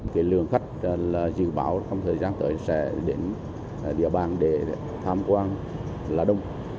cái lường khách dự báo trong thời gian tới sẽ đến địa bàn để tham quan là đông